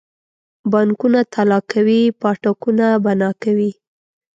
بانکونه تالا کوي پاټکونه بنا کوي.